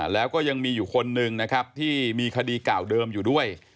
แล้วก็ยังมีอยู่คนหนึ่งนะครับที่มีคดีเก่าเดิมอยู่ด้วย